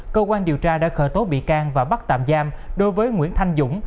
cơ quan điều tra đã khởi tố bị can và bắt tạm giam đối với nguyễn thanh dũng